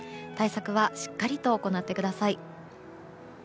対策はしっかりと行ってください。